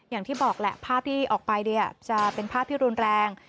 อย่างที่บอกแหละภาพที่ออกไปจะเป็นภาพที่รุนแรง